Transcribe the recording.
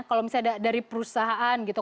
kalau misalnya dari perusahaan gitu